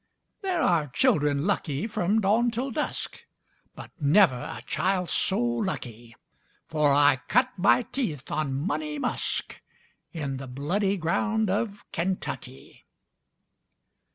There are children lucky from dawn till dusk, But never a child so lucky! For I cut my teeth on "Money Musk" In the Bloody Ground of Kentucky!